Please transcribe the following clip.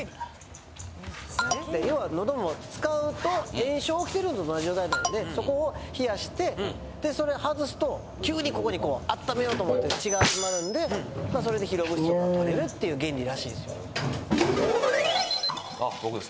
要は喉も使うと炎症おきてるのと同じ状態なんでそこを冷やしてでそれを外すと急にここにこう温めようと思って血が集まるんでそれで疲労物質とかがとれるっていう原理らしいんですよ。